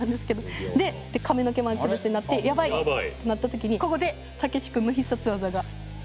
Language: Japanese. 髪の毛までツルツルになってやばい！ってなった時にここでたけし君の必殺技が。